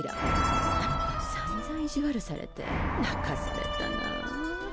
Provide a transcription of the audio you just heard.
あのころさんざん意地悪されて泣かされたなあ。